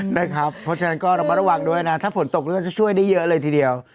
ได้ครับเพราะฉะนั้นก็เรามาระวังด้วยนะถ้าฝนตกแล้วจะช่วยได้เยอะเลยทีเดียว